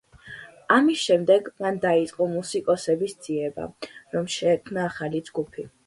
ამის შემდეგ მან დაიწყო მუსიკოსების ძიება, რომ შეექმნა ახალი ჯგუფი.